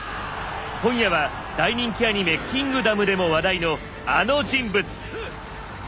今夜は大人気アニメ「キングダム」でも話題のあの人物！